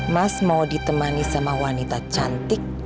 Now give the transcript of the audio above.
mas mau ditemani sama wanita cantik